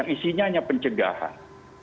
isinya hanya pencegahan